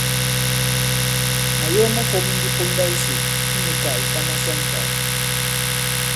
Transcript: Màyo ma fōm ndi ponda yisò inyū kà ìta masɔŋtàgà.